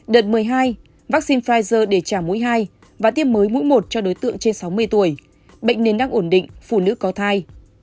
đợt một mươi hai vaccine pfizer để trả mũi hai và tiêm mới mũi một cho đối tượng trên sáu mươi tuổi bệnh nền đang ổn định phụ nữ có thai